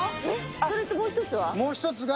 それともう１つは？